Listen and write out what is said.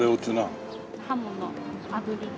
ハモのあぶりと。